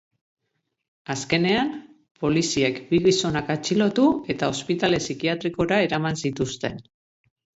Azkenean, poliziek bi gizonak atxilotu eta ospitale psikiatrikora eraman zituzten.